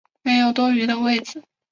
没有多余的位子